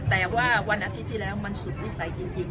แต่ว่าวันอาทิตย์ที่แล้วมันสุดวิสัยจริง